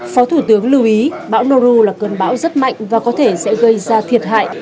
phó thủ tướng lưu ý bão noru là cơn bão rất mạnh và có thể sẽ gây ra thiệt hại